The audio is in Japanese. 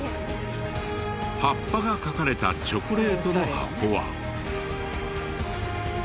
葉っぱが描かれたチョコレートの箱は。